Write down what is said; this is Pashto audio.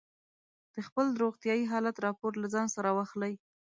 د خپل روغتیايي حالت راپور له ځان سره واخلئ.